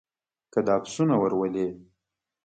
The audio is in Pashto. که دا پسونه ور ولې.